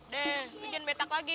nih jangan betak lagi